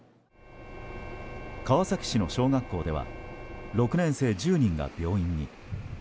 川崎市の小学校では６年生１０人が病院に。